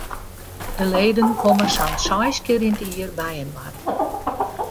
De leden komme sa'n seis kear yn it jier byinoar.